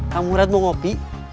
kang murad mau kopi